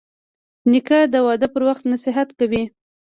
نیکه د واده پر وخت نصیحت کوي.